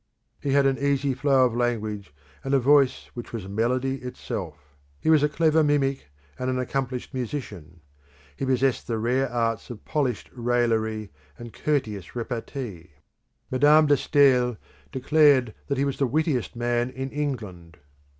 He had an easy flow of language, and a voice which was melody itself. He was a clever mimic and an accomplished musician. He possessed the rare arts of polished raillery and courteous repartee. Madame de Stael declared that he was the wittiest man in England.